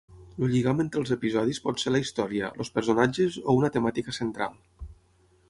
El lligam entre els episodis pot ser la història, els personatges o una temàtica central.